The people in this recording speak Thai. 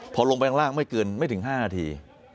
พอลงไปข้างล่างไม่ถึง๕นาที